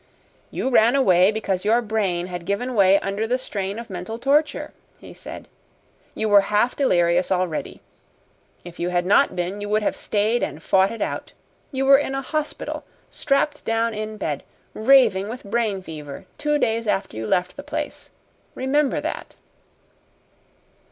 "You ran away because your brain had given way under the strain of mental torture," he said. "You were half delirious already. If you had not been you would have stayed and fought it out. You were in a hospital, strapped down in bed, raving with brain fever, two days after you left the place. Remember that."